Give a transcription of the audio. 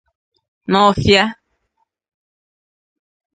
Nawfịa